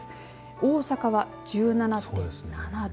大阪は１７．７度。